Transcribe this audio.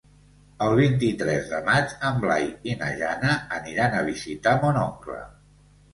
El vint-i-tres de maig en Blai i na Jana aniran a visitar mon oncle.